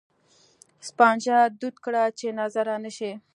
سپانځه دود کړه چې نظره نه شي.